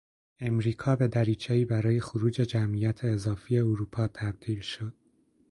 امریکا به دریچهای برای خروج جمعیت اضافی اروپا تبدیل شد.